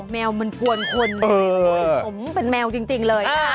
แมวมันปวนคนเป็นแมวจริงเลย